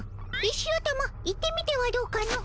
石頭行ってみてはどうかの？